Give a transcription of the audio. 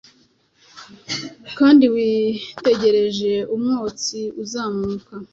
Kandi witegereje umwotsi uzamuka